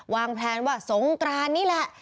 แพลนว่าสงกรานนี่แหละ